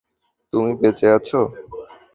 তুমি বেঁচে আছো।